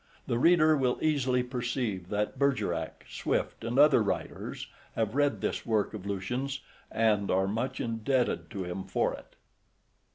The reader will easily perceive that Bergerac, Swift, and other writers have read this work of Lucian's, and are much indebted to him for it.